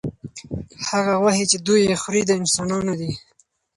هغه غوښې چې دوی یې خوري، د انسانانو دي.